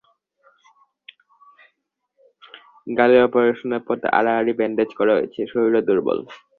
গালে অপারেশনের পর আড়াআড়ি ব্যান্ডেজ করা হয়েছে, শরীরও দুর্বল।